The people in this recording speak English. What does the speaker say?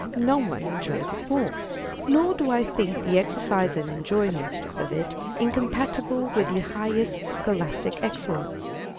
No one enjoys it more. Nor do I think the exercise and enjoyment of it incompatible with the highest scholastic excellence.